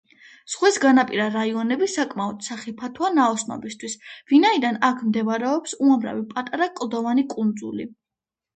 ზღვის განაპირა რაიონები საკმაოდ სახიფათოა ნაოსნობისთვის, ვინაიდან აქ მდებარეობს უამრავი პატარა კლდოვანი კუნძული.